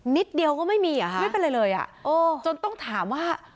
นิดเดียวก็ไม่มีอ่ะค่ะไม่เป็นไรเลยอ่ะจนต้องถามว่า